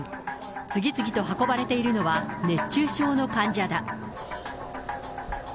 次々と運ばれているのは、熱中症の患者だ。